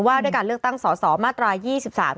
ว่าด้วยการเลือกตั้งสอสอมาตรายี่สิบสาม